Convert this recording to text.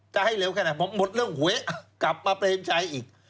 จะให้เร็วแค่ไหนผมหมดเรื่องหวยกลับมาเปรมชัยอีก